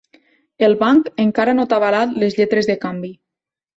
El banc encara no t'ha avalat les lletres de canvi.